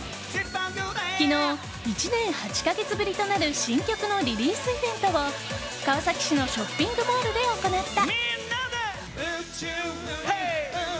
昨日、１年８か月ぶりとなる新曲のリリースイベントを川崎市のショッピングモールで行った。